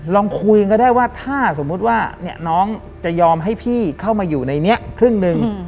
ลองคุยกันก็ได้ว่าถ้าสมมุติว่าน้องจะยอมให้พี่เข้ามาอยู่ในนี้ครึ่งหนึ่ง